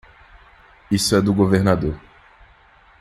Isso é do governador.